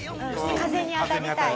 風に当たりたい。